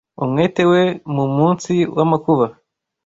umutwe we mu munsi w’amakuba;